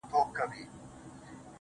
چي واکداران مو د سرونو په زاريو نه سي.